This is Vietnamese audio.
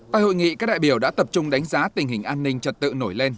tại hội nghị các đại biểu đã tập trung đánh giá tình hình an ninh trật tự nổi lên